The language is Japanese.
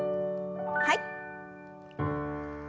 はい。